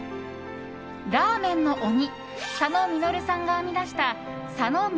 ラーメンの鬼・佐野実さんが編み出した佐野実